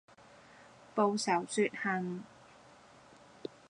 報仇雪恨